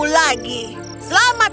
dengan kuat keseluruhan